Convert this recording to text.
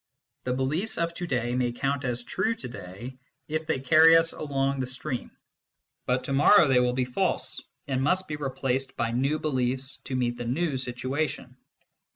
The beliefs of to day may count as true to day, if they carry us along the stream ; but to morrow they will be false, and must be replaced by new beliefs to meet the new situation.